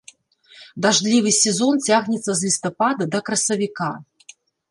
Дажджлівы сезон цягнецца з лістапада да красавіка.